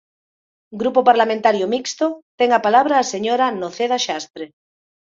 Grupo Parlamentario Mixto, ten a palabra a señora Noceda Xastre.